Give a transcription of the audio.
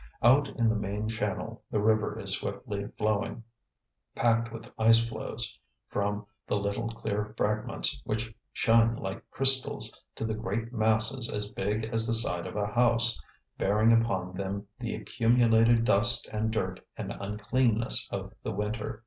Out in the main channel the river is swiftly flowing, packed with ice floes, from the little clear fragments which shine like crystals, to the great masses as big as the side of a house, bearing upon them the accumulated dust and dirt and uncleanness of the winter.